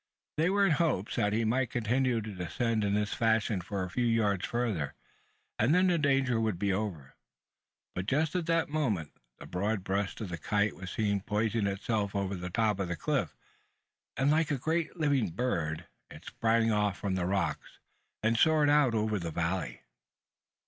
They were in hopes that he might continue to descend in this fashion for a few yards further, and then the danger would be over; but, just at that moment, the broad breast of the kite was seen poising itself over the top of the cliff; and like a great living bird, it sprang off from the rocks, and soared out over the valley!